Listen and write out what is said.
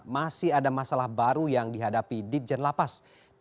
masih ada masalah baru yang dihadapi di jenlapas